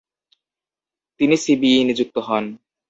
তিনি সিবিই নিযুক্ত হন।